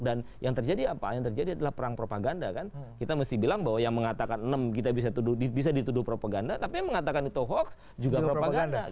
dan yang terjadi apa yang terjadi adalah perang propaganda kan kita mesti bilang bahwa yang mengatakan enam kita bisa dituduh propaganda tapi yang mengatakan itu hoax juga propaganda